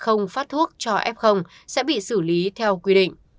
không nghe điện thoại không phát thuốc cho f sẽ bị xử lý theo quy định